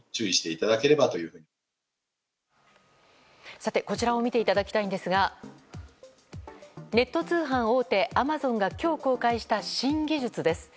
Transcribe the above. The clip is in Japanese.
さて、こちらを見ていただきたいんですがネット通販大手アマゾンが今日公開した新技術です。